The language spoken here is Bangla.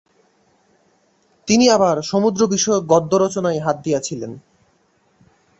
তিনি আবার সমুদ্র-বিষয়ক গদ্য রচনায় হাত দিয়েছিলেন।